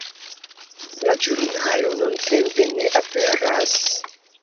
La ĵurnalo nuntempe ne aperas.